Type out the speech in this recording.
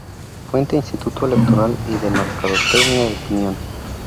Fuente: Instituto Electoral y de Mercadotecnia y Opinión